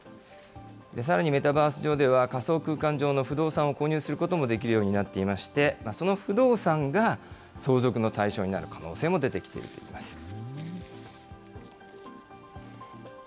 さらにメタバース上では、仮想空間上の不動産を購入することもできるようになっていまして、その不動産が相続の対象になる可能性も出てきているといいます。